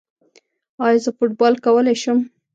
ایا زه فوټبال کولی شم؟